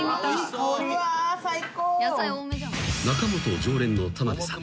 ［中本常連の田辺さん］